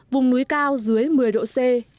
vùng núi cao dưới một mươi độ c